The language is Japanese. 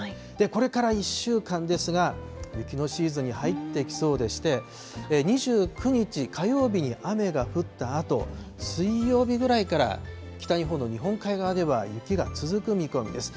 これから１週間ですが、雪のシーズンに入ってきそうでして、２９日火曜日に雨が降ったあと、水曜日ぐらいから北日本の日本海側では雪が続く見込みです。